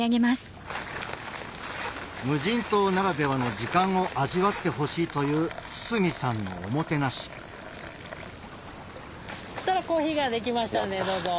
無人島ならではの時間を味わってほしいという堤さんのおもてなしコーヒーができましたのでどうぞ。